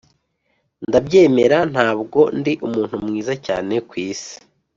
ndabyemera, ntabwo ndi umuntu mwiza cyane kwisi.